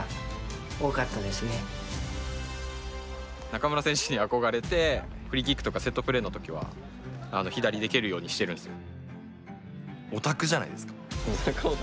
中村選手に憧れてフリーキックとかセットプレーの時は左で蹴るようにしてるんですよ。